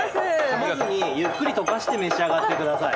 かまずにゆっくり溶かして召し上がってください。